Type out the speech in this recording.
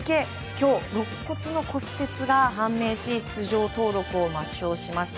今日、肋骨の骨折が判明し出場登録を抹消しました。